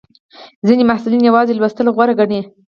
ځینې محصلین یوازې لوستل غوره ګڼي.